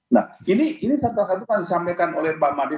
nah ini satu satunya kan disampaikan oleh pak madita